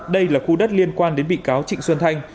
đây là khu đất liên quan đến bị cáo trịnh xuân thanh